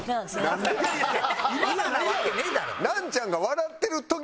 今なわけねえだろ。